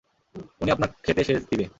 উনি আপনার ক্ষেতে সেচ দিবে।